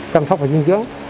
chăm sóc và dinh dưỡng